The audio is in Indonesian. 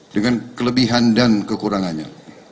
dengan kelebihan dan kekurangannya